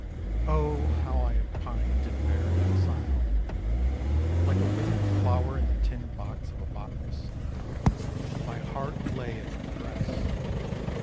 Oh, how I have pined in barren exile! Like a withered flower In the tin box of a botanist, My heart lay in my breast.